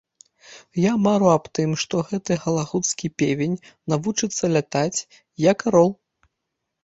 Я мару аб тым, што гэты галагуцкі певень навучыцца лятаць, як арол.